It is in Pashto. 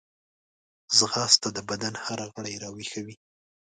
ځغاسته د بدن هر غړی راویښوي